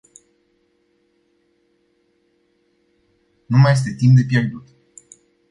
Nu mai este timp de pierdut.